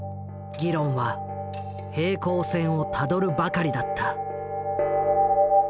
議論は平行線をたどるばかりだった。